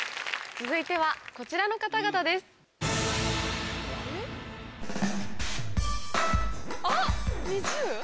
続いてはこちらの方々です。あっ ＮｉｚｉＵ？